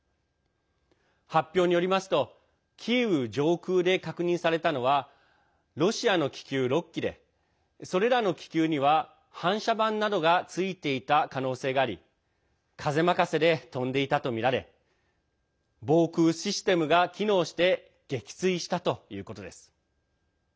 発表によりますとキーウ上空で確認されたのはロシアの気球６基でそれらの気球には、反射板などがついていた可能性があり風任せで飛んでいたとみられ防空システムが機能して撃墜したということです。